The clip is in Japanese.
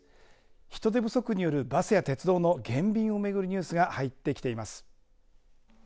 人手不足によるバスや鉄道の減便を巡るニュースが入ってきています。